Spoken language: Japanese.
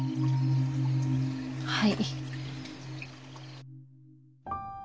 はい。